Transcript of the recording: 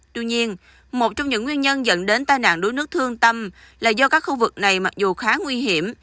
tuy nhiên một trong những nguyên nhân dẫn đến tai nạn đuối nước thương tâm là do các khu vực này mặc dù khá nguy hiểm